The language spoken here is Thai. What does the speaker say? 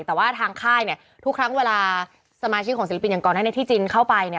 แต่ว่าทางค่ายเนี่ยทุกครั้งเวลาสมาชิกของศิลปินอย่างก่อนหน้านี้ที่จีนเข้าไปเนี่ย